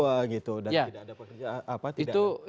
dan tidak ada perkerjaan apa tidak